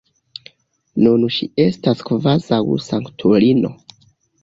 Nun ŝi estas kvazaŭ sanktulino.